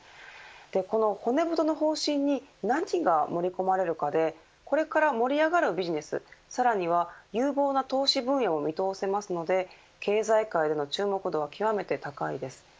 この骨太の方針に何が盛り込まれるかでこれから盛り上がるビジネスさらには有望な投資分野も見通せますので経済界での注目度は極めて高いです。